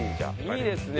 いいですね